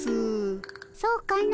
そうかの。